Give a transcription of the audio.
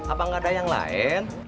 apa nggak ada yang lain